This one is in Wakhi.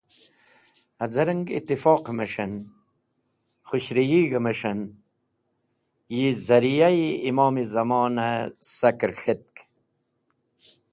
Haz̃ereng itifoq mes̃h en, khũshig̃h mes̃h en, yizariyayi Imom-e Zamon-e saker k̃hetk.